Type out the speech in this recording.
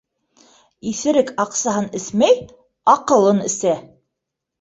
Иҫерек аҡсаһын эсмәй, аҡылын әсә.